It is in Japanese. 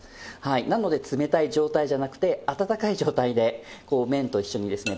なので冷たい状態じゃなくて温かい状態でこう麺と一緒にですね